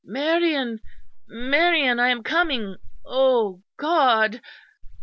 "Marion, Marion I am coming O God!"